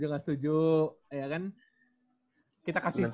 tujuh x tujuh iya kan kita kasih statement